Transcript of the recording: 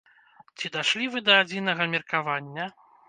Ці дашлі вы да адзінага меркавання?